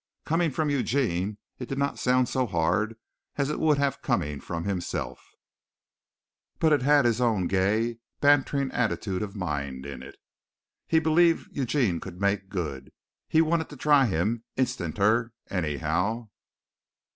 Coming from Eugene it did not sound so hard as it would have coming from himself, but it had his own gay, bantering attitude of mind in it. He believed Eugene could make good. He wanted to try him, instanter, anyhow.